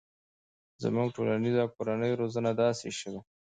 زموږ ټولنیزه او کورنۍ روزنه داسې شوي